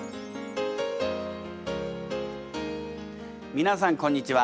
皆さんこんにちは。